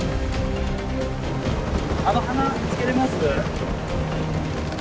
あの鼻つけれます？